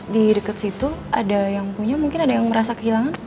di dekat situ ada yang punya mungkin ada yang merasa kehilangan